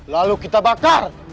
lalu kita bakar